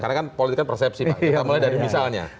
karena kan politik kan persepsi pak kita mulai dari misalnya